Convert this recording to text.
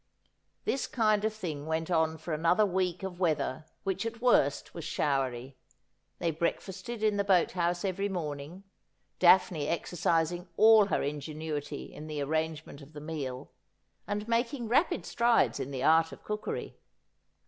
. This kind of thing went on for another week of weather which at worst was tihowerj'. Thej'' breakfasted in the boat house every morning, Daphne exercising all her ingenuity in the arrangement of the meal, and making rapid strides in the art of cookery.